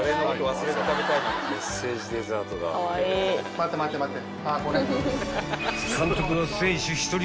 待って待って待って。